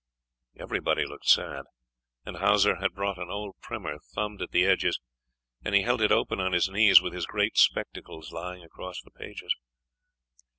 Everybody looked sad; and Hauser had brought an old primer, thumbed at the edges, and he held it open on his knees with his great spectacles lying across the pages.